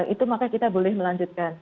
itu maka kita boleh melanjutkan